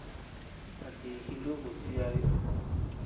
¿A ti jinukuy chiadi?